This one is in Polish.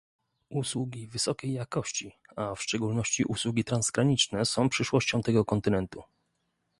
Usługi wysokiej jakości, a w szczególności usługi transgraniczne są przyszłością tego kontynentu